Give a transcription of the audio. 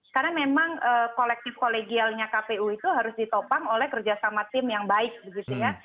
karena memang kolektif kolegialnya kpu itu harus ditopang oleh kerjasama tim yang baik begitu ya